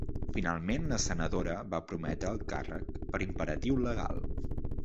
Finalment la senadora va prometre el càrrec per imperatiu legal